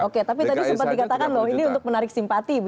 oke tapi tadi sempat dikatakan loh ini untuk menarik simpati begitu ya